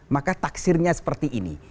maka taksirnya seperti ini